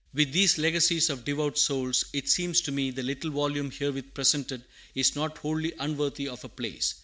With these legacies of devout souls, it seems to me, the little volume herewith presented is not wholly unworthy of a place.